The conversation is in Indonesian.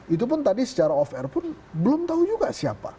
itu pun tadi secara off air pun belum tahu juga siapa